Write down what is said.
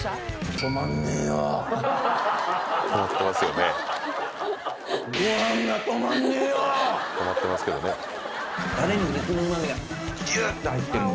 止まってますけどね。